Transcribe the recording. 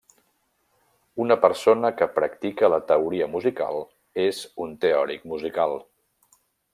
Una persona que practica la teoria musical és un teòric musical.